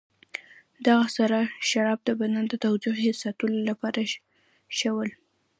دغه سره شراب د بدن د تودوخې ساتلو لپاره ښه ول.